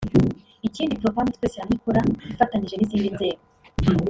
Ikindi Profemme Twese Hamwe ikora ifatanyije n’izindi nzego